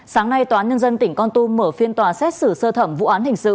sáng nay toán nhân dân tỉnh con tum mở phiên tòa xét xử sơ thẩm vụ án hình sự